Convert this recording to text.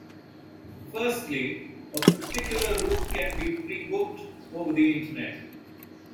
Firstly, a particular route can be pre-booked over the Internet.